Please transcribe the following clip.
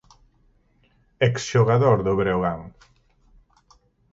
Exxogador do Breogán.